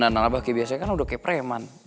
liat dandan abah kayak biasanya kan udah kayak preman